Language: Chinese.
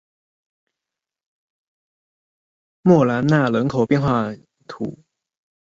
穆兰纳人口变化图示